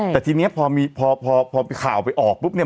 แต่ทีนี้พอข่าวไปออกปุ๊บเนี่ย